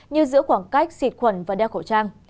như giữ khoảng cách xịt khuẩn và đeo khẩu trang